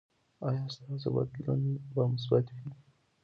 ایا ستاسو بدلون به مثبت وي؟